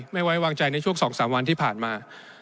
ไม่ไว้วางใจในช่วง๒๓วันที่ผ่านมา